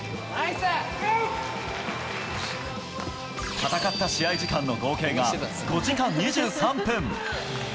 戦った試合時間の合計が５時間２３分。